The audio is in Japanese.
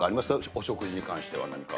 お食事に関しては何か。